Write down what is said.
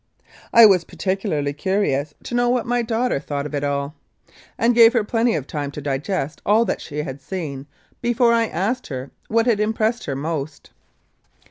I was particularly curious to know what my daughter 86 i 1898 1902. Lethbridge and Macleod thought of it all, and gave her plenty of time to digest all that she had seen before I asked her what had im pressed her most.